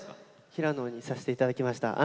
平野にさせていただきました。